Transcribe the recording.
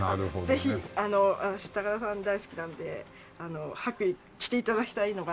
ぜひ私高田さん大好きなんで白衣着て頂きたいのが。